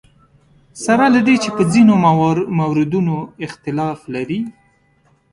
سره له دې چې په ځینو موردونو اختلاف لري.